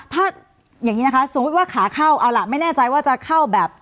ถ้าอย่างนี้นะคะสมมุติว่าขาเข้าเอาล่ะไม่แน่ใจว่าจะเข้าแบบ